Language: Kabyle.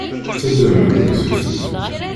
Ttaddamen-t.